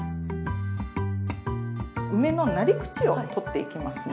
梅の「なり口」を取っていきますね。